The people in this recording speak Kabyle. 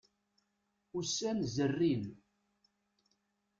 Ussan zerrin.